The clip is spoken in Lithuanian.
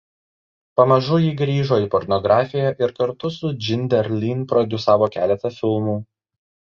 Pamažu ji grįžo į pornografiją ir kartu su Džinder Lyn prodiusavo keletą filmų.